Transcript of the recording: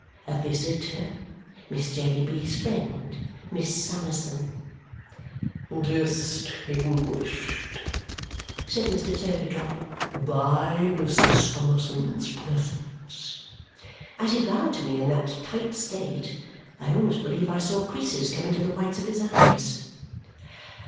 A visitor. Miss Jellyby's friend, Miss Summerson." "Distinguished," said Mr. Turveydrop, "by Miss Summerson's presence." As he bowed to me in that tight state, I almost believe I saw creases come into the whites of his eyes.